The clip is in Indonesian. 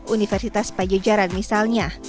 universitas pajejaran misalnya